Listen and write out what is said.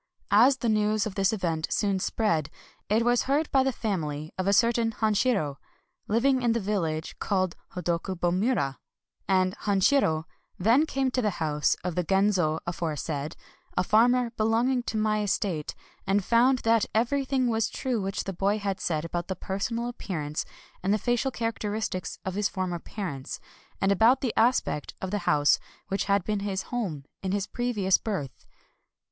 As the news of this event soon spread, it was heard by the family of a certain Han shiro, living in the village called Hodokubo mura; and Hanshiro then came to the house of the Genzo aforesaid, a farmer belonging to my estate, and found that everything was true which the boy had said about the personal ap pearance and the facial characteristics of his former parents, and about the aspect of the house which had been his home in his previous birth.